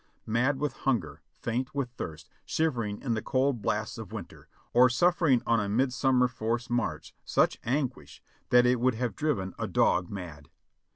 Mad with hunger, faint with thirst, shivering in the cold blasts of winter, or suffering on a mid summer forced march such anguish that it would have driven a dog mad.